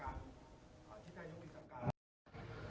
ดำเนินการฟ้องร้องได้